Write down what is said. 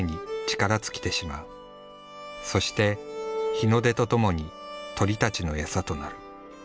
そして日の出とともに鳥たちの餌となる。